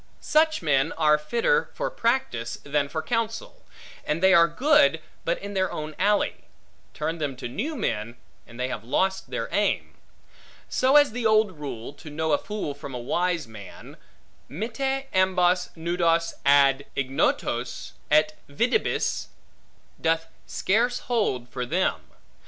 Such men are fitter for practice, than for counsel; and they are good, but in their own alley: turn them to new men, and they have lost their aim; so as the old rule, to know a fool from a wise man, Mitte ambos nudos ad ignotos, et videbis, doth scarce hold for them.